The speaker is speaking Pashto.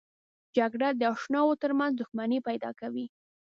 جګړه د اشناو ترمنځ دښمني پیدا کوي